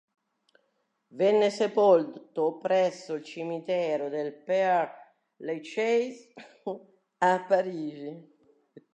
Venne sepolto presso il Cimitero del Père Lachaise, a Parigi.